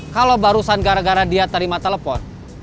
kalau barusan gara gara dia terima telepon